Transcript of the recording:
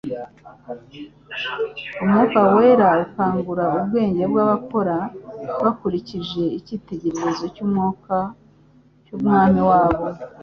Umwuka wera akangura ubwenge bw'abakora bakurikije icyitegererezo cy'Umwami wabo.